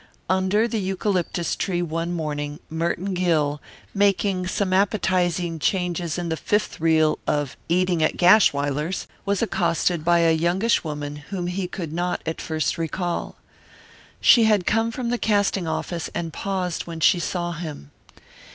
Under the eucalyptus tree one morning Merton Gill, making some appetizing changes in the fifth reel of Eating at Gashwiler's, was accosted by a youngish woman whom he could not at first recall. She had come from the casting office and paused when she saw him.